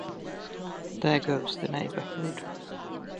There goes the neighborhood.